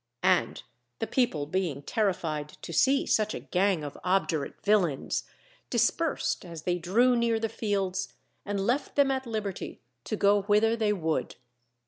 And the people being terrified to see such a gang of obdurate villains, dispersed as they drew near the fields, and left them at liberty to go whither they would.